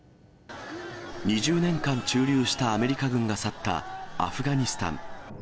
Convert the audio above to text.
２０年間駐留したアメリカ軍が去ったアフガニスタン。